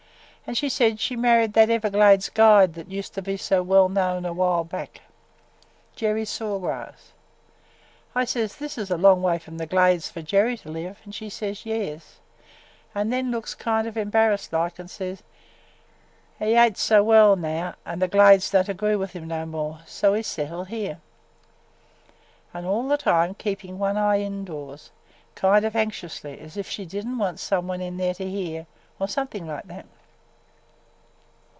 An' she says she married that Everglades guide that used to be so well known a while back. Jerry Saw Grass. I says this is a long way from the Glades for Jerry to live and she says yes, and then looks kind o' embarrassed like and says he ain't so well now an' the Glades don't agree with him no more, so he 's settled here. An' all the time keepin' one eye indoors, kind o' anxiously, as if she did n't want some one in there to hear – or something like that.